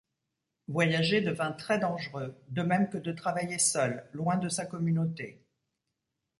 Voyager devint très dangereux, de même que de travailler seul, loin de sa communauté.